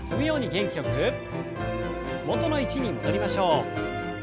元の位置に戻りましょう。